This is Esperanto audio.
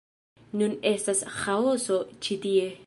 Nun estas ĥaoso ĉi tie